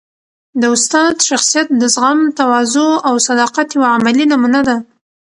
د استاد شخصیت د زغم، تواضع او صداقت یوه عملي نمونه ده.